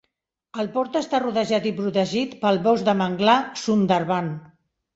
El port està rodejat i protegir pel bosc de manglar Sundarban.